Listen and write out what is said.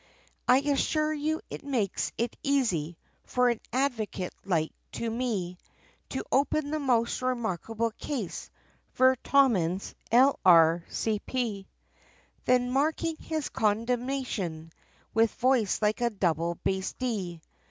I assure you it makes it easy for an advocate like to me, To open the most remarkable case ver. Tommins, L.R.C.P." Then marking his condemnation, with voice like a double bass D.